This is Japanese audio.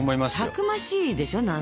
たくましいでしょ？